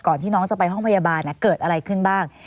ที่น้องจะไปห้องพยาบาลเกิดอะไรขึ้นบ้าง